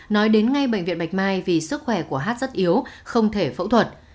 nói đến ngay bệnh viện bạch mai vì sức khỏe của hát rất yếu không thể phẫu thuật